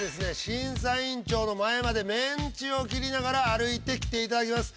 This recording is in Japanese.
審査委員長の前までメンチを切りながら歩いてきていただきます。